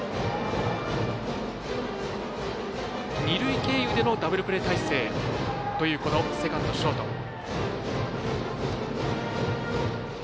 二塁経由でのダブルプレー態勢というセカンド、ショート。